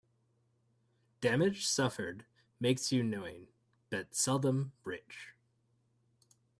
Damage suffered makes you knowing, but seldom rich.